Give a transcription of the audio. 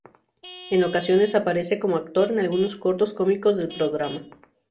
En ocasiones aparece como actor en algunos cortos cómicos del programa.